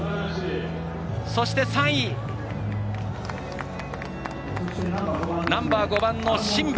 そして、３位ナンバー５番のシンブ。